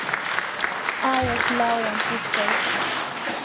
awash lawam pushqaykan.